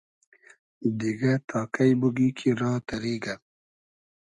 دیگۂ تا کݷ بوگی کی را تئریگۂ